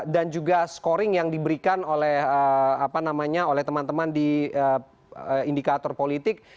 dan juga scoring yang diberikan oleh teman teman di indikator politik